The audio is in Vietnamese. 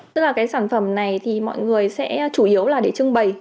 tức là cái sản phẩm này thì mọi người sẽ chủ yếu là để trưng bày